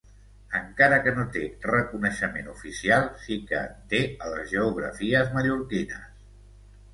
Encara que no té reconeixement oficial, sí que en té a les geografies mallorquines.